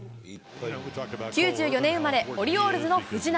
９４年生まれ、オリオールズの藤波。